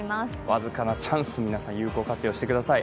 僅かなチャンス、皆さん、有効活用してください。